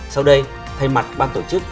sau đây thay mặt ban tổ chức